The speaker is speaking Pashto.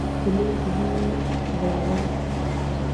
پیلوټ د مینې، زړورت